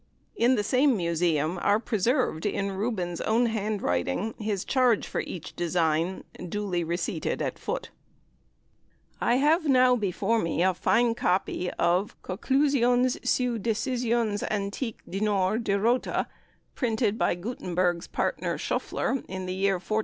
In the same Museum are preserved in Rubens' own handwriting his charge for each design, duly receipted at foot. I have now before me a fine copy of "Coclusiones siue decisiones antique dnor' de Rota," printed by Gutenberg's partner, Schoeffer, in the year 1477.